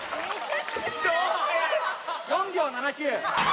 ４秒７９。